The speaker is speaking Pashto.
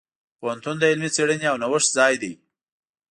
پوهنتون د علمي څیړنې او نوښت ځای دی.